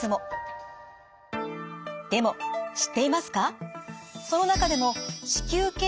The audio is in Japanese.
でも知っていますか？